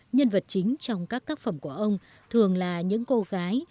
nhân vật chính trong các tác phẩm của ông thường là những cô gái